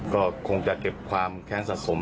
ก็คงจะเก็บความแคะ้งสัก฽ม